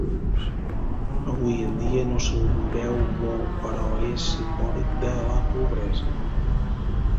Avui en dia no se'n veu molt però és simbòlic de la pobresa.